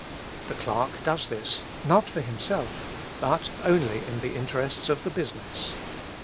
The clerk does this, not for himself, but only in the interests of the business.